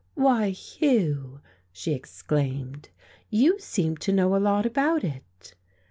"Why, Hugh," she exclaimed, "you seem to know a lot about it!"